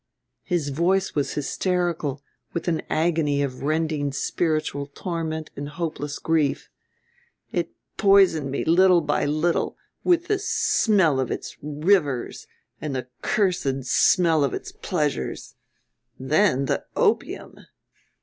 His voice was hysterical with an agony of rending spiritual torment and hopeless grief. "It poisoned me little by little, with the smell of its rivers and the cursed smell of its pleasures. Then the opium.